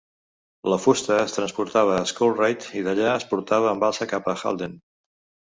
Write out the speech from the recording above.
La fusta es transportava a Skulreud i d'allà es portava en balsa cap a Halden.